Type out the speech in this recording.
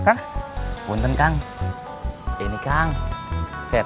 papa berangkat dulu ya sayang